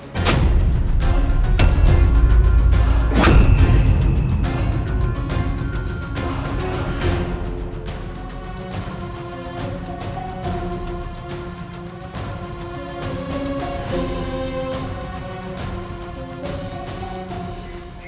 aku sudah memiliki banyak bukti yang jelas